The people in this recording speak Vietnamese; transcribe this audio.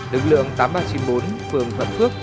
lực lượng tám nghìn ba trăm chín mươi bốn phường thuận phước